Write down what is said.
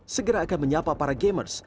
segera akan menyapa para gamers